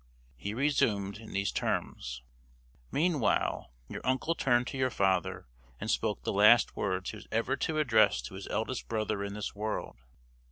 He resumed in these terms: "Meanwhile, your uncle turned to your father, and spoke the last words he was ever to address to his eldest brother in this world.